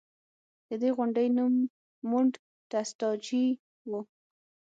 د دې غونډۍ نوم مونټ ټسټاچي و